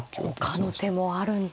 ほかの手もあるんですか。